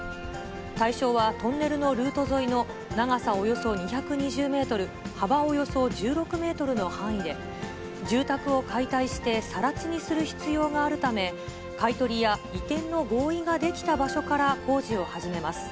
対象はトンネルのルート沿いに長さおよそ２２０メートル、幅およそ１６メートルの範囲で、住宅を解体してさら地にする必要があるため、買い取りや移転の合意ができた場所から工事を始めます。